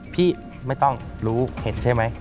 พี่ไม่ต้องรู้เห็นใช่ไหม